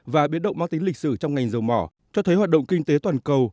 và biến động máu tính lịch sử trong ngành dầu mỏ cho thấy hoạt động kinh tế toàn cầu